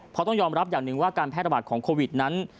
เพราะต้องยอมรับอย่างหนึ่งว่าการแพร่ระบาดของโควิดนั้น